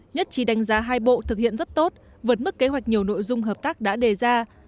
nhất trí đánh giá hai bộ thực hiện rất tốt vượt mức kế hoạch nhiều nội dung hợp tác đã đề ra